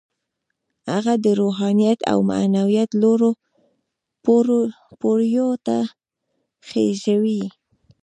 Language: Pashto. هغه د روحانيت او معنويت لوړو پوړيو ته خېژوي.